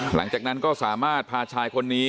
หลังจากนั้นก็สามารถพาชายคนนี้